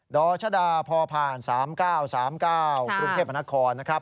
ดชดพพ๓๙๓๙ปรุงเทพนาคอร์